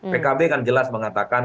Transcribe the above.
pkb kan jelas mengatakan